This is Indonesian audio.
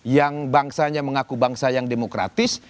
yang bangsanya mengaku bangsa yang demokratis